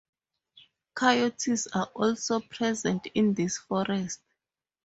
Coyotes are also present in this forest.